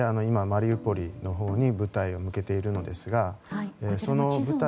今、マリウポリのほうに部隊を向けているんですが。